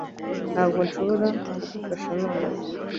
Ntabwo nshobora kugufasha nonaha